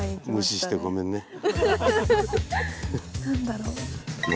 何だろうな？